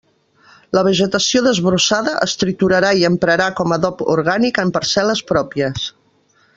La vegetació desbrossada es triturarà i emprarà com adob orgànic en parcel·les pròpies.